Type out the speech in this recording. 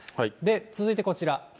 続いてこちら。